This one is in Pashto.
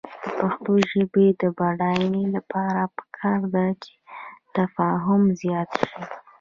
د پښتو ژبې د بډاینې لپاره پکار ده چې تفاهم زیات شي.